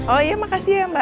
oh iya makasih ya mbak